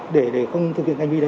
để không thực hiện hành vi đấy